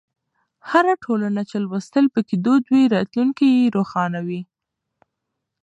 هره ټولنه چې لوستل پکې دود وي، راتلونکی یې روښانه وي.